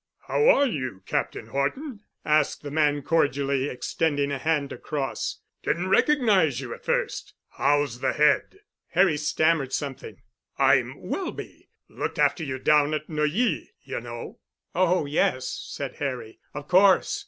"How are you, Captain Horton?" asked the man cordially, extending a hand across. "Didn't recognize you at first. How's the head?" Harry stammered something. "I'm Welby—looked after you down at Neuilly, you know." "Oh, yes," said Harry. "Of course.